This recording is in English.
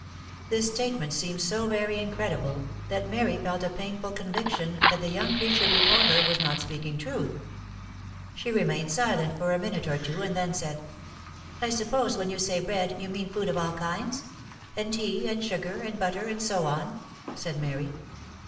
This statement seemed so very incredible, that Mary felt a painful conviction that the young creature before her was not speaking truth. She remained silent for a minute or two, and then said, " I suppose when you say bread, you mean food of all kinds? — and tea, and sugar, and butter, and so on?" said Mary.